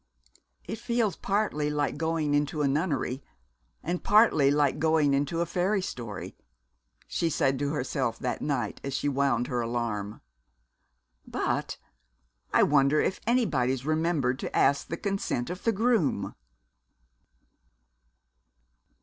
"It feels partly like going into a nunnery and partly like going into a fairy story," she said to herself that night as she wound her alarm. "But I wonder if anybody's remembered to ask the consent of the groom!"